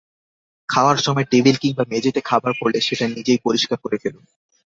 খাওয়ার সময় টেবিল কিংবা মেঝেতে খাবার পড়লে সেটা নিজেই পরিষ্কার করে ফেলুন।